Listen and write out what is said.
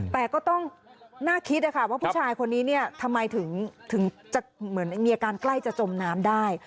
แต่ก็ต้องน่าคิดนะคะว่าผู้ชายคนนี้เนี่ยทำไมถึงจะเหมือนมีอาการใกล้จะจมน้ำได้